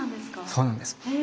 そうなんです。